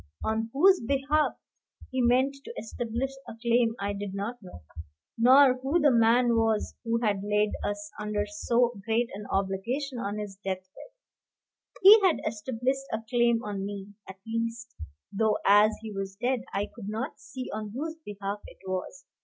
On whose behalf he meant to establish a claim I did not know, nor who the man was who had laid us under so great an obligation on his death bed. He had established a claim on me at least; though, as he was dead, I could not see on whose behalf it was.